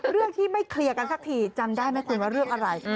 เรื่องที่ไม่เคลียร์กันสักทีจำได้ไหมคุณว่าเรื่องอะไร